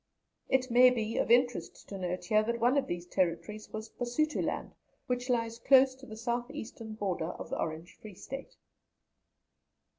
" It maybe of interest to note here that one of these territories was Basutoland, which lies close to the South Eastern border of the Orange Free State.